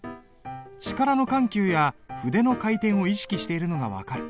力の緩急や筆の回転を意識しているのが分かる。